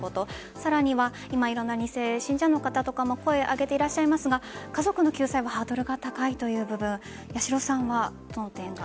さらにはいろんな２世信者の方が声を上げていらっしゃいますが家族の救済はハードルが高いという部分八代さんはどの点が。